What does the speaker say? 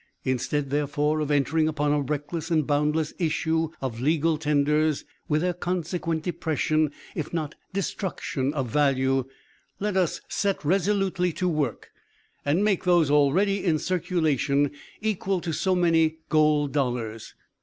Instead, therefore, of entering upon a reckless and boundless issue of legal tenders, with their consequent depression if not destruction of value, let us set resolutely to work and make those already in circulation equal to so many gold dollars.